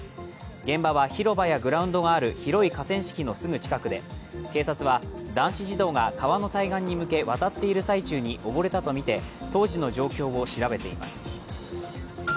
現場は広場やグラウンドがある広い河川敷の近くで警察は男子児童が川の対岸に向け渡っている最中に溺れたとみて、当時の状況を調べています。